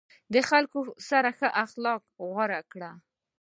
د خلکو سره ښه اخلاق غوره کړه.